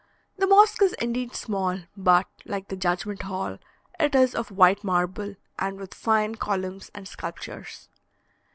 The mosque is indeed small, but, like the judgment hall, it is of white marble, and with fine columns and sculptures.